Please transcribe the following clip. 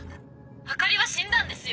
あかりは死んだんですよ！